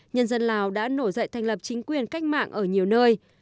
nhân dân lào đã nổi dậy thành lập chính quyền cách mạng ở nhiều nơi